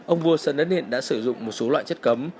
ông vua sơn đất niện đã sử dụng một số loại chất cấm